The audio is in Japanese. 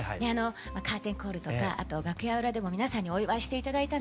カーテンコールとかあと楽屋裏でも皆さんにお祝いして頂いたんです。